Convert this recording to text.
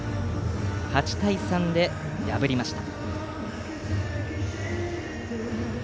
８対３で破りました。